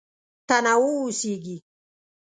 تنوع اوسېږي.